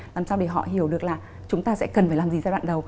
làm sao để họ hiểu được là chúng ta sẽ cần phải làm gì giai đoạn đầu